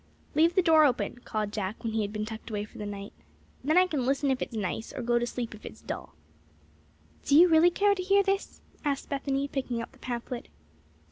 "Leave the door open," called Jack, when he had been tucked away for the night. "Then I can listen if it's nice, or go to sleep if it's dull." "Do you really care to hear this?" asked Bethany, picking up the pamphlet.